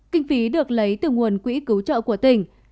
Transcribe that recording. kinh phí được lấy từ nguồn quỹ cứu trợ của tỉnh